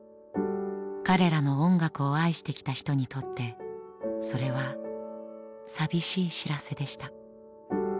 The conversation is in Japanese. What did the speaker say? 彼らの音楽を愛してきた人にとってそれは寂しい知らせでした。